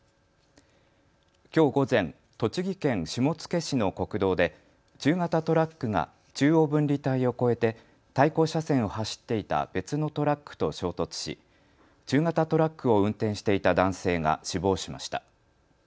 きょう午前、栃木県下野市の国道で中型トラックが中央分離帯を越えて対向車線を走っていた別のトラックと衝突し中型トラックを運転していた男性が死亡しました。